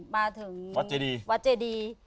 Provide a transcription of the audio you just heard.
วัดเจดี